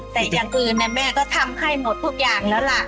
แต่อย่างอื่นแม่ก็ทำให้หมดทุกอย่างแล้วล่ะ